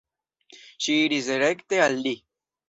Ŝi iris rekte al li.